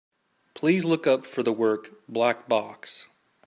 Please look up for the work, Black Box.